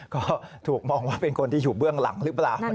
ก็ถูกมองว่าเป็นคนที่อยู่เบื้องหลังหรือเปล่า